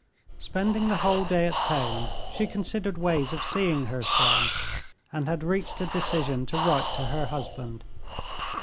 Spending the whole day at home she considered ways of seeing her son, and had reached a decision to write to her husband.